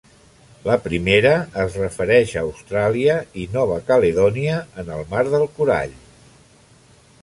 La primera es refereix a Austràlia i Nova Caledònia en el Mar del Corall.